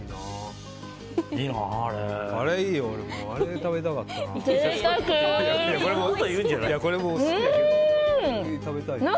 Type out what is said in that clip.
あれが食べたかったな。